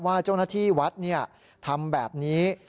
ว่าเจ้าหน้าที่วัดทำแบบนี้